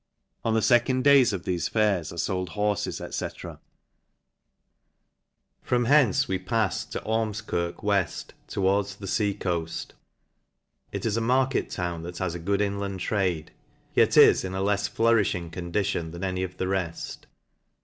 On the fecond days of thefe fairs are fold horfes, &c. From hence we paiTed to Ormfiirk weft, towards the fea coaft. It is a market town that has a good inland trade; yet is in a lefs flourifhing condition than any of the reft.